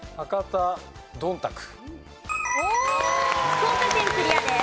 福岡県クリアです。